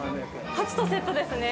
◆鉢とセットですね。